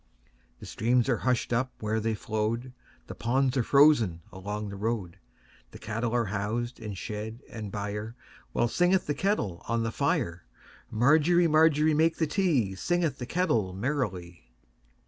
The streams are hushed up where they flowed, The ponds are frozen along the road, The cattle are housed in shed and byreWhile singeth the kettle on the fire. Margery, Margery, make the tea, Singeth the kettle merrily.